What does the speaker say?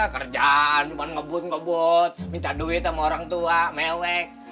kerjaan ngebut ngebut minta duit sama orang tua mewek